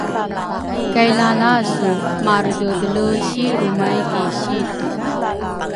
kay lalasu marededele si lrumay ki situ.